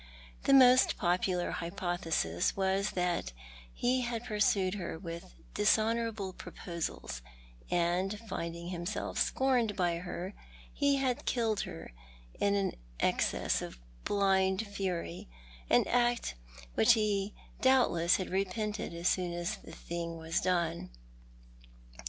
The most popular hypothesis was that he had pursued her with dishonour able proposals, and, finding himself scorned by her, had killed her in an access of blind fury — an act which he doubtless had repented as soon as the thing was done.